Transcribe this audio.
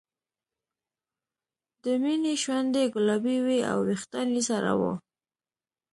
د مینې شونډې ګلابي وې او وېښتان یې سره وو